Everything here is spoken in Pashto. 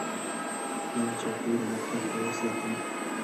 نوې چوکۍ د دفتر ښایست زیاتوي